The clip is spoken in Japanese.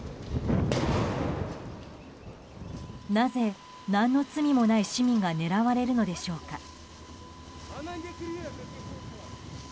なぜ、何の罪もない市民が狙われるのでしょうか。